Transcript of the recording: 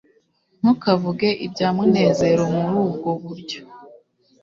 ntukavuge ibya munezero muri ubwo buryo